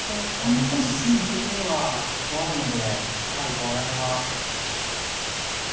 やっぱ実戦的には怖いのでやはりこう穴熊玉のね近くに。